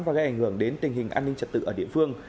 và gây ảnh hưởng đến tình hình an ninh trật tự ở địa phương